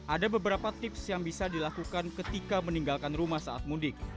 ada beberapa tips yang bisa dilakukan ketika meninggalkan rumah saat mundik